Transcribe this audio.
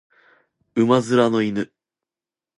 馬面の犬